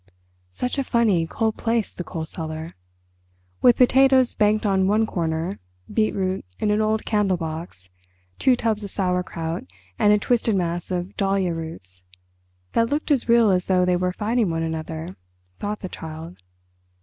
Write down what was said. Such a funny, cold place the coal cellar! With potatoes banked on one corner, beetroot in an old candle box, two tubs of sauerkraut, and a twisted mass of dahlia roots—that looked as real as though they were fighting one another, thought the Child.